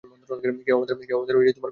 কেউ আমাদের খুঁজে পাবে না।